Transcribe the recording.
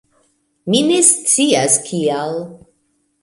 Mi ne scias kial